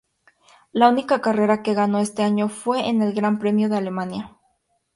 La única carrera que ganó este año fue en el Gran Premio de Alemania.